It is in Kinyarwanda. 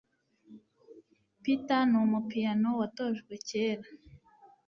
Peter numu piyano watojwe kera